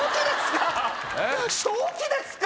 お前正気ですか？